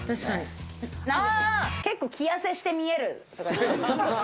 結構、着痩せして見える。